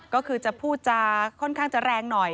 ก็คือจะพูดจะค่อนข้างจะแรงหน่อย